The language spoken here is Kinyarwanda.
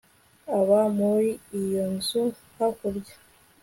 Aba muri iyo nzu hakurya